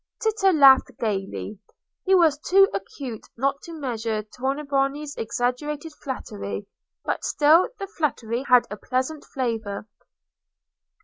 Tito laughed gaily. He was too acute not to measure Tornabuoni's exaggerated flattery, but still the flattery had a pleasant flavour.